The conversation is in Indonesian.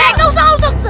nggak usah nggak usah